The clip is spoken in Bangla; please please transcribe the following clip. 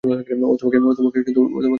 ও তোমাকে এ ব্যাপারে বলেনি?